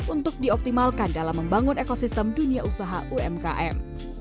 untuk dioptimalkan dalam membangun ekosistem dunia usaha umkm